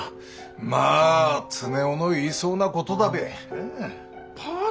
まあ常雄の言いそうなことだべなあ。